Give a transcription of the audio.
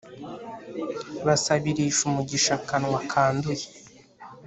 Basabirisha umugisha akanwa kanduye